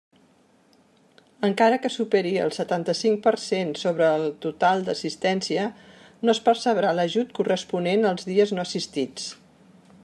Encara que superi el setanta-cinc per cent sobre el total d'assistència, no es percebrà l'ajut corresponent als dies no assistits.